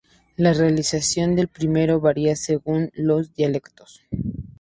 La realización del primero varía según los dialectos.